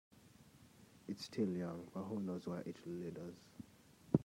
It's still young, but who knows where it will lead us.